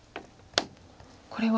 これは。